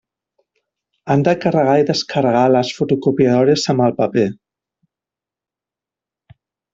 Han de carregar i descarregar les fotocopiadores amb el paper.